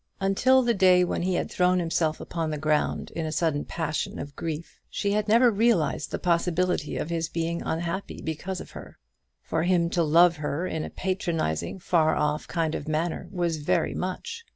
Until the day when he had thrown himself upon the ground in a sudden passion of grief, she had never realized the possibility of his being unhappy because of her. For him to love her in a patronizing far off kind of manner was very much.